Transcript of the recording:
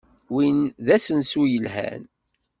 Win d asensu yelhan.